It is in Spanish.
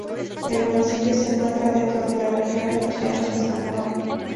El municipio se encuentra dentro de la región de los Llanos de San Juan.